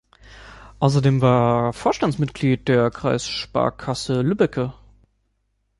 Außerdem war er Vorstandsmitglied der Kreissparkasse Lübbecke.